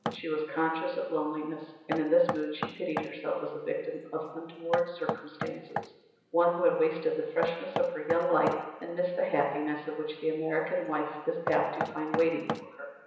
She was conscious of loneliness, and in this mood she pitied herself as a victim of untoward circumstances, one who had wasted the freshness of her young life, and missed the happiness which the American wife is apt to find waiting for her.